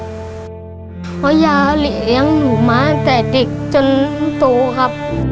เพราะยาเลี้ยงหนูมาตั้งแต่เด็กจนโตครับ